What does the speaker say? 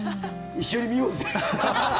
一緒に見ようぜ！